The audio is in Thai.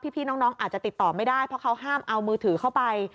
พี่น้องอาจจะติดต่อไม่ได้เพราะเขาห้ามเอามือถือเข้าไป